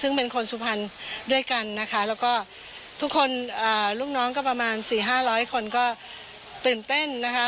ซึ่งเป็นคนสุพรรณด้วยกันนะคะลูกน้องก็ประมาณ๔๐๐๕๐๐คนก็ตื่นเต้นนะคะ